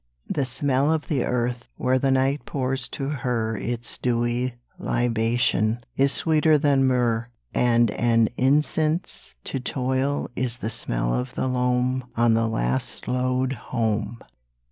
The smell of the Earth, where the night pours to her Its dewy libation, is sweeter than myrrh, And an incense to Toil is the smell of the loam On the last load home.